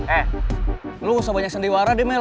eh lo gak usah banyak sendiwara deh mel